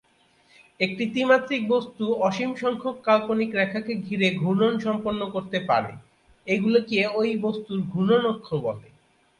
একটি ত্রিমাত্রিক বস্তু অসীম সংখ্যক কাল্পনিক রেখাকে ঘিরে ঘূর্ণন সম্পন্ন করতে পারে; এগুলিকে ঐ বস্তুর ঘূর্ণন অক্ষ বলে।